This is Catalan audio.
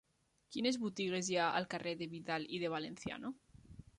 Quines botigues hi ha al carrer de Vidal i de Valenciano?